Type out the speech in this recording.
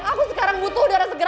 aku sekarang butuh udara segar